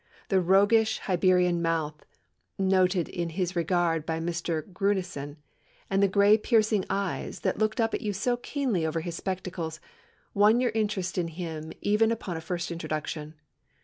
The 'roguish Hibernian mouth,' noted in his regard by Mr. Gruneisen, and the gray piercing eyes, that looked up at you so keenly over his spectacles, won your interest in him even upon a first introduction.